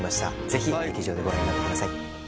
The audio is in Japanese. ぜひ劇場でご覧になってください